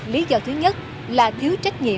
lý do thứ nhất là thiếu trách nhiệm